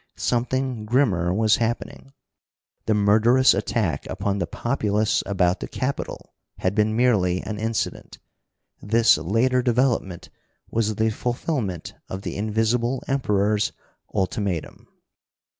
Something grimmer was happening. The murderous attack upon the populace about the Capitol had been merely an incident. This later development was the fulfilment of the Invisible Emperor's ultimatum.